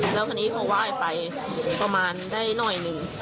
แล้วคราวนี้เขาไหว้ไปประมาณได้หน่อยหนึ่ง